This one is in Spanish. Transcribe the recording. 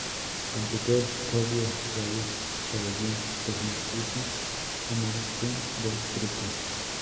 Completó el podio Davide Rebellin, que se impuso en el "sprint" del grupo.